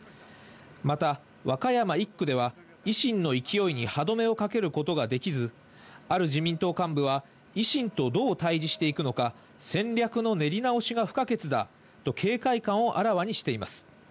また、和歌山１区では、維新の勢いに歯止めをかけることができず、ある自民党幹部は、維新とどう対じしていくのか、戦略の練り直しが不可欠だと警戒感をあらわにしています。